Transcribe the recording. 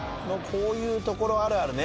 こういうところあるあるね。